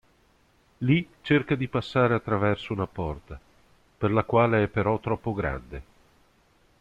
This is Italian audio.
Lì cerca di passare attraverso una porta, per la quale è però troppo grande.